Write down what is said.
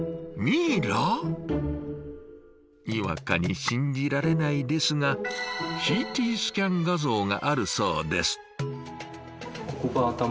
にわかに信じられないですがＣＴスキャン画像があるそうです。